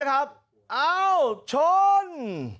นะครับเอ้าชน